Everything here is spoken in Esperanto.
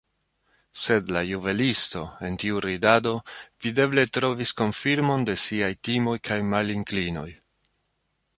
Sed la juvelisto en tiu ridado videble trovis konfirmon de siaj timoj kaj malinklinoj.